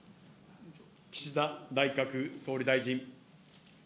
岸田内閣総理大臣。